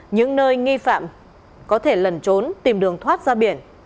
những nơi nghi phạm có thể lẩn trốn tìm đường thoát ra biển